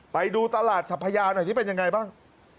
ไปดูตลาดสัพพยาหน่อยนี่เป็นยังไงบ้าง